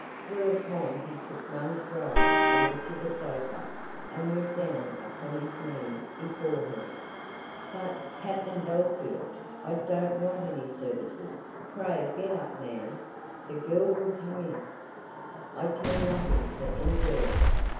Whereupon he took one stride over to the sofa, and went down upon his knees before her. "But, Captain Bellfield, I don't want any services. Pray get up now; the girl will come in." "I care nothing for any girl.